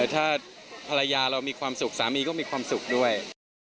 ถ้าภรรยาเรามีความสุขสามีก็มีความสุขด้วย